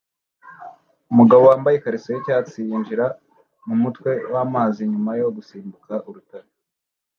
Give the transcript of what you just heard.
Umugabo wambaye ikariso yicyatsi yinjira mumutwe wamazi nyuma yo gusimbuka urutare